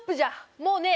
もうねえ！